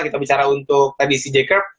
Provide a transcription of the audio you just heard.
kita bicara untuk tadi si jacob